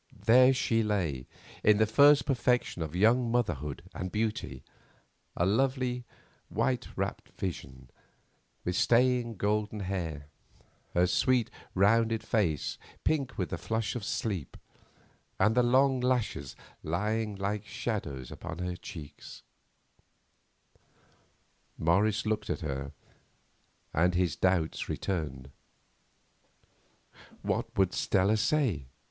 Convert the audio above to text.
There she lay, in the first perfection of young motherhood and beauty, a lovely, white wrapped vision with straying golden hair; her sweet, rounded face pink with the flush of sleep, and the long lashes lying like little shadows on her cheek. Morris looked at her, and his doubts returned. What would Stella say?